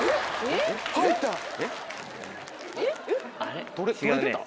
えっ⁉入った！